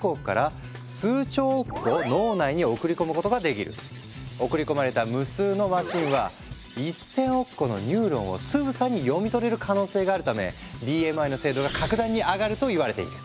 直径僅か２０ナノメートルの送り込まれた無数のマシンは１，０００億個のニューロンをつぶさに読み取れる可能性があるためＢＭＩの精度が格段に上がるといわれている。